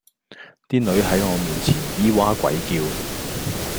啲女喺我面前咿哇鬼叫